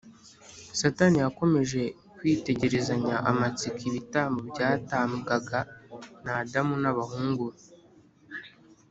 . Satani yakomeje kwitegerezanya amatsiko ibitambo byatambwaga na Adamu n’abahungu be